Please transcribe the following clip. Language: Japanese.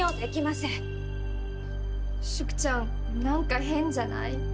淑ちゃんなんか変じゃない？